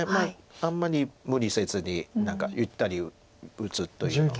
あんまり無理せずに何かゆったり打つというのが。